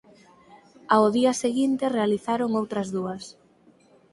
Ao día seguinte realizaron outras dúas.